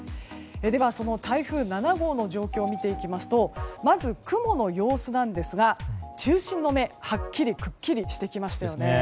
では、台風７号の状況を見ますとまず、雲の様子ですが中心の目がはっきりくっきりしてきました。